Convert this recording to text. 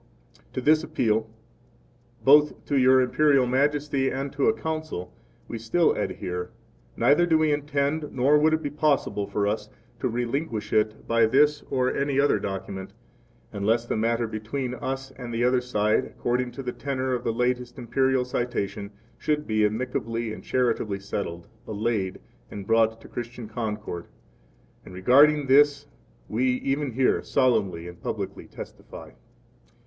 To this 23 appeal, both to Your Imperial Majesty and to a Council, we still adhere; neither do we intend nor would it be possible for us, to relinquish it by this or any other document, unless the matter between us and the other side, according to the tenor of the latest Imperial citation should be amicably and charitably settled, allayed, and brought to Christian concord; 24 and regarding this we even here solemnly and publicly testify.